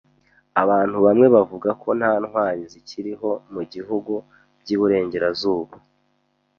Abantu bamwe bavuga ko nta ntwari zikiriho mu bihugu by’iburengerazuba.